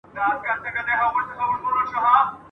زه به درځم چي په ارغند کي زرغونې وي وني !.